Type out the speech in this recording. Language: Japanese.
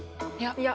いや。